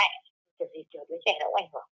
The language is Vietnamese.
đấy thì đứa trẻ nó cũng ảnh hưởng